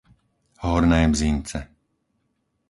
Horné Bzince